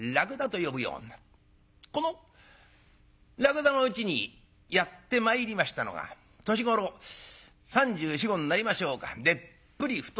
このらくだのうちにやって参りましたのが年頃３４３５になりましょうかでっぷり太った赤ら顔。